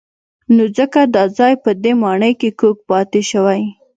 نو ځکه دا ځای په دې ماڼۍ کې کوږ پاتې شوی.